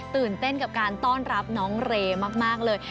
ตื่นเต้นกับการต้อนรับน้องเรย์มากเลย